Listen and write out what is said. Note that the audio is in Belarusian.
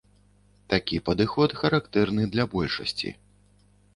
Такі падыход характэрны для большасці.